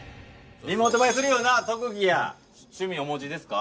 リモート映えするような特技や趣味お持ちですか？